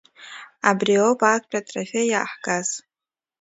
Абриоп актәи атрафеи иааҳгаз.